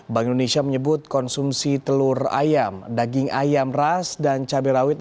bank indonesia menyebut konsumsi telur ayam daging ayam ras dan cabai rawit